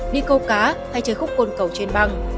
đi câu cá hay chơi khúc côn cầu trên băng